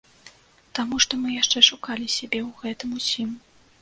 Таму што мы яшчэ шукалі сябе ў гэтым усім.